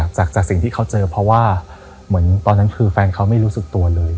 จากสิ่งที่เขาเจอเพราะว่าเหมือนตอนนั้นคือแฟนเขาไม่รู้สึกตัวเลย